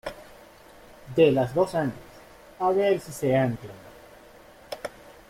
de las dos anclas, a ver si se anclan.